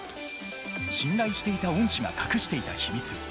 信頼していた恩師が隠していた秘密。